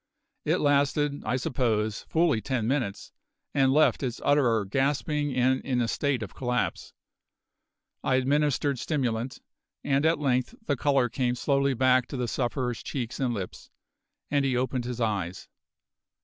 It lasted, I suppose, fully ten minutes, and left its utterer gasping and in a state of collapse. I administered stimulant, and at length the colour came slowly back to the sufferer's cheeks and lips, and he opened his eyes.